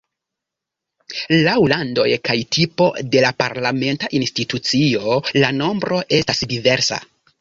Laŭ landoj kaj tipo de parlamenta institucio la nombro estas diversa.